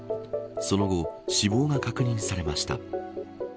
その後、死亡が確認されました。